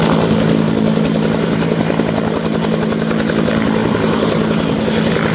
และที่สุดท้ายและที่สุดท้าย